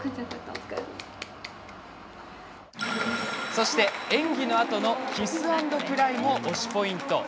そして演技のあとのキス・アンド・クライも推しポイント。